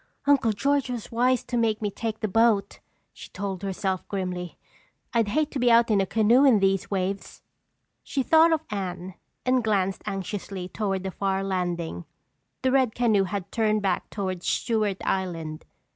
"Uncle George was wise to make me take the boat," she told herself grimly. "I'd hate to be out in a canoe in these waves." She thought of Anne and glanced anxiously toward the far landing. The red canoe had turned back toward Stewart Island.